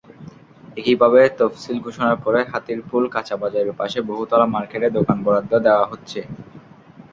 একইভাবে তফসিল ঘোষণার পরে হাতিরপুল কাঁচাবাজারের পাশে বহুতলা মার্কেটে দোকান বরাদ্দ দেওয়া হচ্ছে।